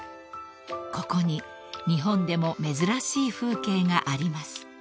［ここに日本でも珍しい風景があります］